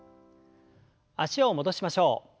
脚を戻しましょう。